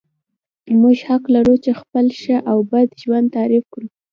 موږ حق لرو چې خپل ښه او بد ژوند تعریف کړو.